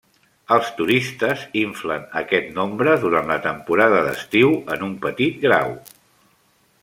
Els turistes inflen aquest nombre durant la temporada d'estiu en un petit grau.